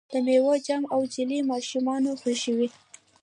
د میوو جام او جیلی ماشومان خوښوي.